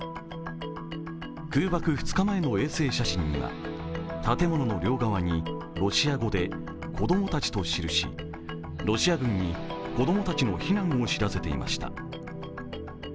空爆２日前の衛星写真には建物の両側にロシア語で「子供たち」と記しロシア軍に子供たちの避難を知らせていました。